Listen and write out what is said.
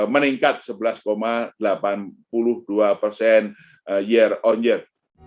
meningkat sebelas delapan puluh dua persen year on year